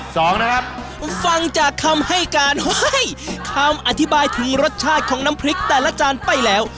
สองนะครับฟังจากคำให้การเฮ้ยคำอธิบายถึงรสชาติของน้ำพริกแต่ละจานไปแล้ว